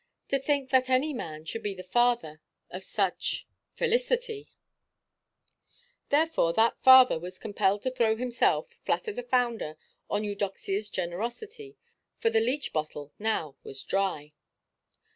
To think that any man should be the father of such ἐυστοχία! Therefore, that father was compelled to throw himself, flat as a flounder, on Eudoxiaʼs generosity; for the leech–bottle now was dry.